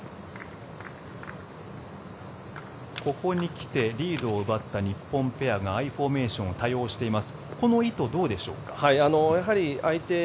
ここに来てリードを奪った日本ペアがアイフォーメーションを多用しています。